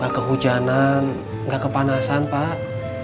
gak kehujanan gak kepanasan pak